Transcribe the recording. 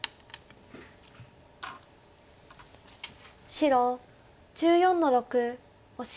白１４の六オシ。